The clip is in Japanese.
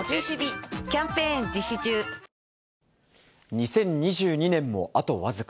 ２０２２年もあと僅か。